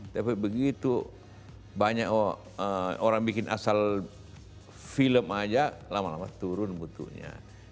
tapi begitu banyak orang bikin asal film aja lama lama turun mutunya